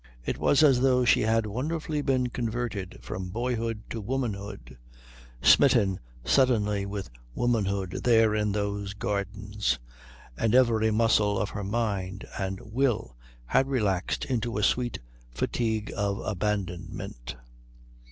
It was as though she had wonderfully been converted from boyhood to womanhood, smitten suddenly with womanhood there in those gardens, and every muscle of her mind and will had relaxed into a sweet fatigue of abandonment.